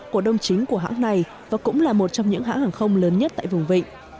cổ đông chính của hãng này và cũng là một trong những hãng hàng không lớn nhất tại vùng vịnh